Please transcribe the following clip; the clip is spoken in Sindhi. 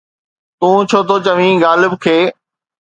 تون ڇو ٿو چوين غالب کي؟